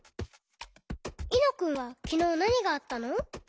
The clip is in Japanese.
いのくんはきのうなにがあったの？